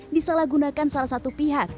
disalahgunakan salah satu pihak